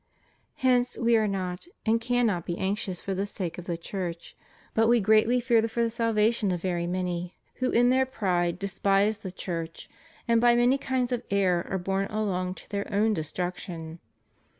Hence We are not, and cannot be, anxious for the sake of the Church; but We greatly fear for the salvation of very many who in their pride despise the Church, and by many kinds of error are borne along to their own de struction.